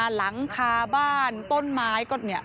หลังคาบ้านต้นไม้